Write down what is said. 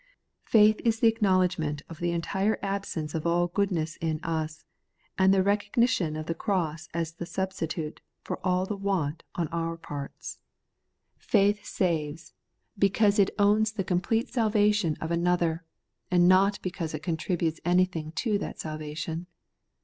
Faith is the acknowledgment of the entire ab sence of all goodness in us, and the recognition of the cross as the substitute for all the want on our Not Faith, hit Christ 117 part. Faitli saves, because it owns the complete salvation of another, and not because it contributes anything to that salvation.